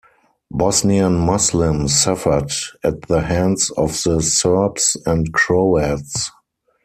Bosnian Muslims suffered at the hands of the Serbs and Croats.